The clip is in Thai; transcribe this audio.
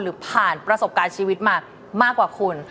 ผ่านประสบการณ์ชีวิตมามากกว่าคุณ